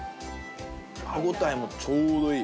歯応えもちょうどいい。